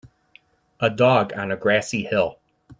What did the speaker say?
A dog on a grassy hill.